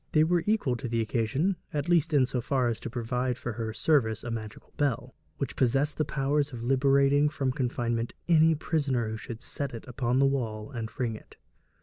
They were equal to the occasion, at least in so far as to provide for her service a magical bell, which possessed the power of liberating from confinement any prisoner who should set it up on the wall and ring it.